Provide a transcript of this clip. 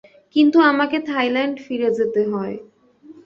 কিন্তু আমাকে থাইল্যান্ড ফিরে যেতে হয়।